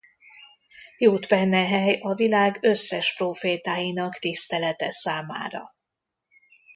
Jut benne hely a világ összes prófétáinak tisztelete számára.